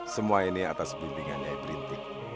semua ini atas pimpinannya yang berintik